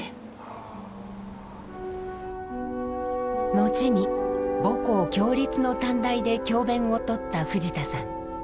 後に母校共立の短大で教べんを執った藤田さん。